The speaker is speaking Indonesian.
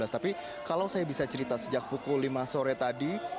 tapi kalau saya bisa cerita sejak pukul lima sore tadi